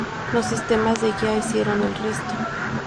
Los sistemas de guía hicieron el resto.